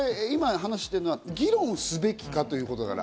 今話してるのは議論すべきかということ。